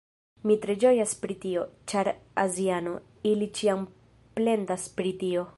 Mi tre ĝojas pri tio! ĉar aziano, ili ĉiam plendas pri tio